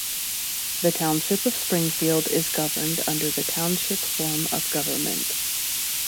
The Township of Springfield is governed under the township form of government.